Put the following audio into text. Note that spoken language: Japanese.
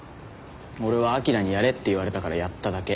俺は彬にやれって言われたからやっただけ。